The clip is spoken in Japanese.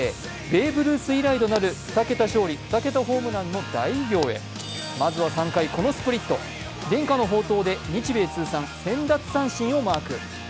ベーブ・ルース以来となる２桁勝利・２桁ホームランの大偉業へまずは３回、このスプリット伝家の宝刀で日米通算１０００奪三振をマーク。